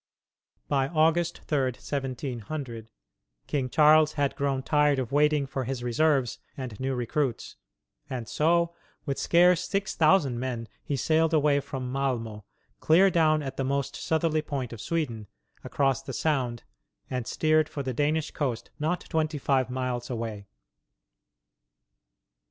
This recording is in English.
By August 3, 1700, King Charles had grown tired of waiting for his reserves and new recruits, and so, with scarce six thousand men, he sailed away from Malmo clear down at the most southerly point of Sweden across the Sound, and steered for the Danish coast not twenty five miles away.